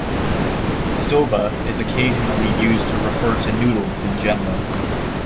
"Soba" is occasionally used to refer to noodles in general.